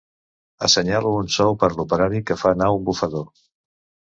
Assenyalo un sou per a l'operari que fa anar un bufador.